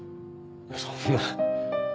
そんな。